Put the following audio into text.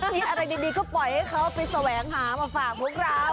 มีอะไรดีก็ปล่อยให้เขาไปแสวงหามาฝากพวกเรา